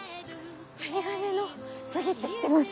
ハリガネの次って知ってます？